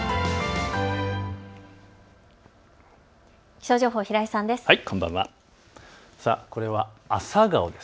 気象情報、平井さんです。